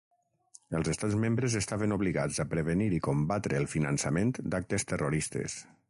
Els Estats membres estaven obligats a prevenir i combatre el finançament d'actes terroristes.